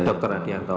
oh dokter adianto